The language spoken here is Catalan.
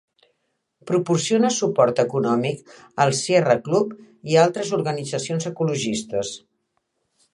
Proporciona suport econòmic al Sierra Club i a altres organitzacions ecologistes.